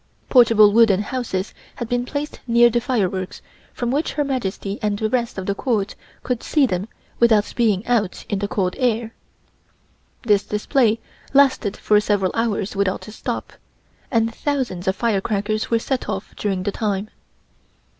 Portable wooden houses had been placed near the fireworks from which Her Majesty and the rest of the Court could see them without being out in the cold air. This display lasted for several hours without a stop, and thousands of firecrackers were set off during the time.